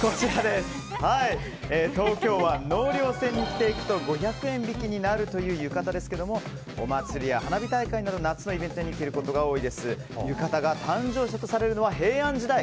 東京湾納涼船に着ていくと５００円引きになるという浴衣ですがお祭りや花火大会など夏のイベントに着ていくことが多い浴衣が誕生したとされるのは平安時代。